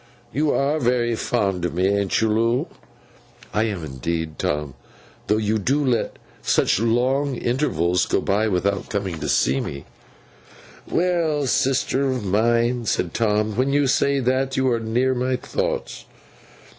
'You are very fond of me, an't you, Loo?' 'Indeed I am, Tom, though you do let such long intervals go by without coming to see me.' 'Well, sister of mine,' said Tom, 'when you say that, you are near my thoughts.